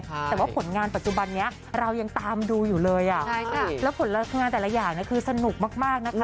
แต่ว่าผลงานปัจจุบันนี้เรายังตามดูอยู่เลยอ่ะใช่ค่ะแล้วผลงานแต่ละอย่างเนี่ยคือสนุกมากมากนะคะ